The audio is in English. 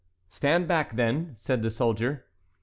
"Stand back, then," said the soldier.